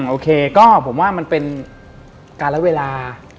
โอเคก็ผมว่ามันเป็นการละเวลา